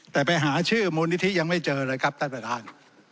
แต่ไปหาชื่อมูลนิธิยังไม่เจอเลยครับท่านประธาน